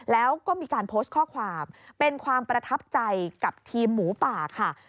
แล้วก็มีการโพสต์ข้อความเป็นความประทับใจกับทีมหมูป่าค่ะ